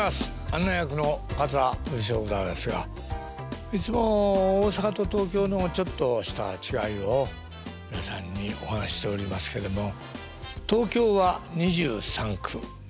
案内役の桂文枝でございますがいつも大阪と東京のちょっとした違いを皆さんにお話ししておりますけども東京は２３区。